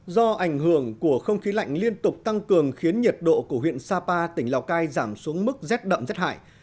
do ảnh hưởng của không khí lạnh liên tục tăng cường khiến nhiệt độ của huyện sapa tỉnh lào cai giảm xuống mức rét đậm rét hại